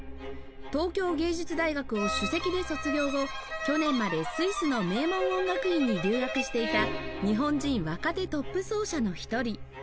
東京藝術大学を首席で卒業後去年までスイスの名門音楽院に留学していた日本人若手トップ奏者の一人